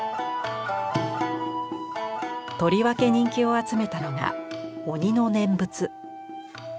とりわけ人気を集めたのが「鬼の念仏」。